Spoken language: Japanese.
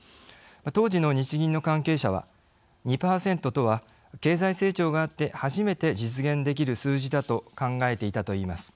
当時の日銀の関係者は２％とは、経済成長があって初めて実現できる数字だと考えていたといいます。